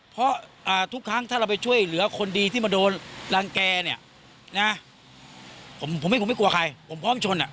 เพราะทุกครั้งถ้าเราไปช่วยเหลือคนดีที่มาโดนรังแก่เนี่ยนะผมไม่คงไม่กลัวใครผมพร้อมชนอ่ะ